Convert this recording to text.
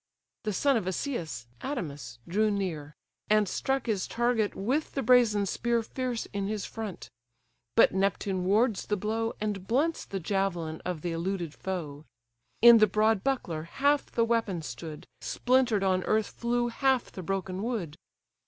The son of Asius, Adamas, drew near, And struck his target with the brazen spear Fierce in his front: but Neptune wards the blow, And blunts the javelin of th' eluded foe: In the broad buckler half the weapon stood, Splinter'd on earth flew half the broken wood.